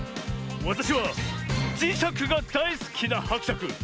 わたしはじしゃくがだいすきなはくしゃく。